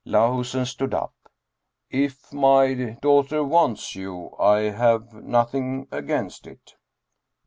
Lahusen stood up. "If my daughter wants you, I have nothing against it."